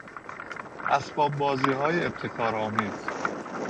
اسباببازیهای ابتکارآمیز